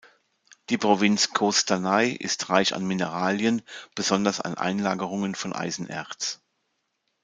Die Provinz Qostanai ist reich an Mineralien, besonders an Einlagerungen von Eisenerz.